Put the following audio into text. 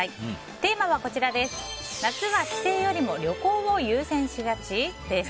テーマは、夏は帰省よりも旅行を優先しがち？です。